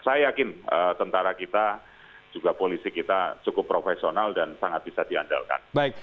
saya yakin tentara kita juga polisi kita cukup profesional dan sangat bisa diandalkan